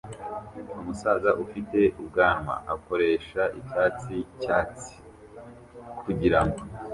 Umusaza ufite ubwanwa akoresha icyatsi cyatsi kugirango